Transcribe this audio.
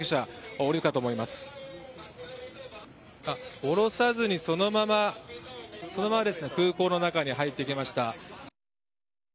降ろさずに、そのまま空港の中に入っていきました。